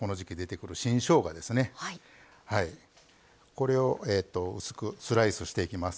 これを薄くスライスしていきます。